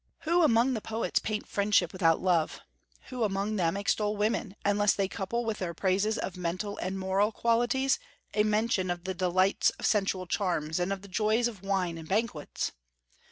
Who among the poets paint friendship without love; who among them extol women, unless they couple with their praises of mental and moral qualities a mention of the delights of sensual charms and of the joys of wine and banquets?